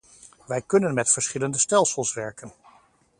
Wij kunnen met verschillende stelsels werken.